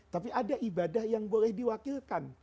tapi ada ibadah yang boleh diwakilkan